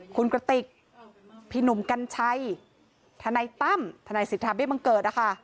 คุณกระติกพี่หนุ่มกัญชัยทนายตั้มทนายสิทธาเบี้บังเกิดนะคะ